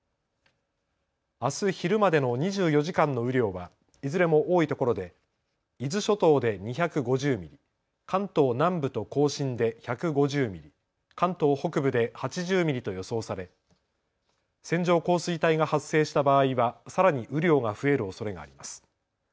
あす昼までの２４時間の雨量はいずれも多いところで伊豆諸島で２５０ミリ、関東南部と甲信で１５０ミリ、関東北部で８０ミリと予想され線状降水帯が発生した場合はさらに雨量が増えるおそれがあります。